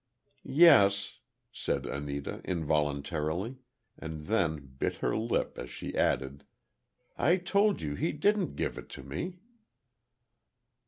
"Yes," said Anita, involuntarily, and then bit her lip as she added, "I told you he didn't give it to me."